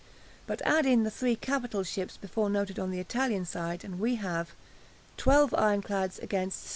But add in the three capital ships before noted on the Italian side, and we have: 12 ironclads against 7.